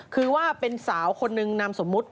คือว่าเป็นสาวคนหนึ่งนามสมมุติ